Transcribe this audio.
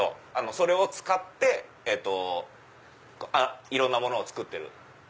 それを使っていろんなものを作ってる。